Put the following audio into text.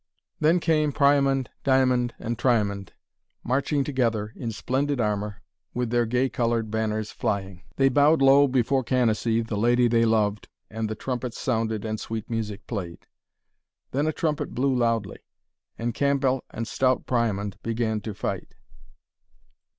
Then came Priamond, Diamond, and Triamond, marching together, in splendid armour, with their gay coloured banners flying. They bowed low before Canacee, the lady they loved, and the trumpets sounded and sweet music played. Then a trumpet blew loudly, and Cambell and stout Priamond began to fight.